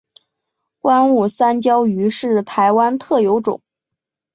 观雾山椒鱼是台湾特有种。